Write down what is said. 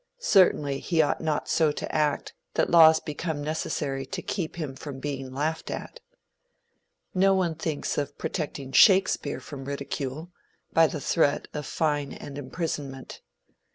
Certainly he ought not so to act that laws become necessary to keep him from being laughed at. No one thinks of protecting Shakespeare from ridicule, by the threat of fine and imprisonment.